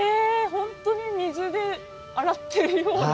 本当に水で洗ってるような。